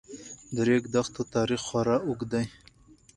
د ریګ دښتو تاریخ خورا اوږد دی.